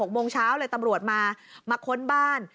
โมงเช้าเลยตำรวจมามาค้นบ้าน